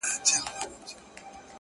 د ځان وژني د رسۍ خریدارۍ ته ولاړم؛